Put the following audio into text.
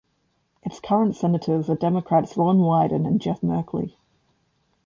Its current Senators are Democrats Ron Wyden and Jeff Merkley.